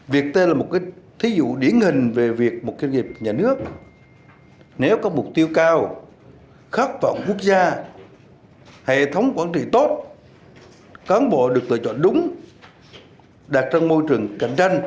việt theo là một thí dụ điển hình về việc một doanh nghiệp nhà nước